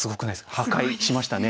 破壊しましたね。